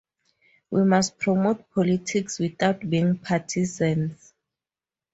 We must promote politics without being partisans.